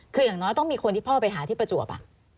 คืออย่างน้อยต้องมีคนที่พ่อไปหาที่ประจวบ